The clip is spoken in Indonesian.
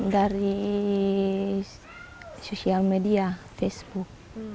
dari sosial media facebook